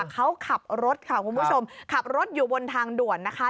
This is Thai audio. เขาขับรถค่ะคุณผู้ชมขับรถอยู่บนทางด่วนนะคะ